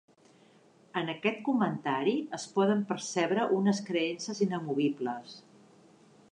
En aquest comentari es poden percebre unes creences inamovibles.